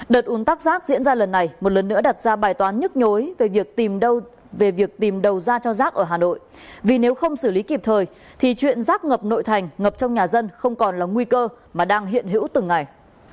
đợt un tắc rác diễn ra lần này một lần nữa đặt ra bài toán nhức nhối về việc tìm đâu về việc tìm đầu ra cho rác ở hà nội vì nếu không xử lý kịp thời thì chuyện rác ngập nội thành ngập trong nhà dân không còn là nguy cơ mà đang hiện hữu từng ngày